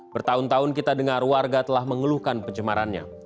bertahun tahun kita dengar warga telah mengeluhkan pencemarannya